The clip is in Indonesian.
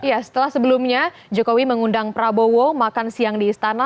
ya setelah sebelumnya jokowi mengundang prabowo makan siang di istana